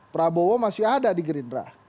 prabowo masih ada di gerindra